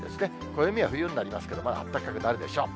暦は冬になりますけど、まあ暖かくなるでしょう。